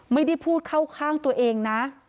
ไม่ได้พูดเข้าข้างตัวเองนะ